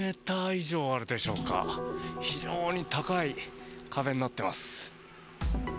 ６ｍ以上あるでしょうか非常に高い壁になっています。